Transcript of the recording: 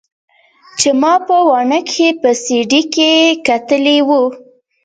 چې ما په واڼه کښې په سي ډي کښې کتلې وه.